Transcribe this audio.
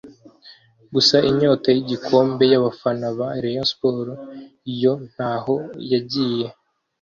gusa inyota y’igikombe y’abafana ba Rayon Sports yo ntaho yagiye